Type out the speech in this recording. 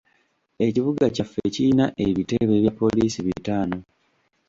Ekibuga kyaffe kiyina ebitebe bya poliisi bitaano.